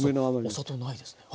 お砂糖ないですね。